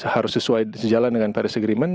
harus sesuai sejalan dengan paris agreement